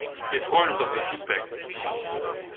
Wir freuen uns auf Ihr Feedback!